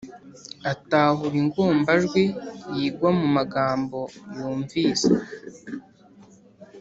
atahura ingombajwi yigwa mu magambo yumvise ;